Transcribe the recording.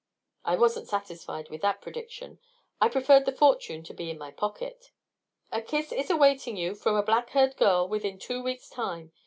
I wasn't satisfied with that prediction; I preferred the fortune to be in my pocket. "A kiss is awaiting you from a black haired girl within two weeks' time.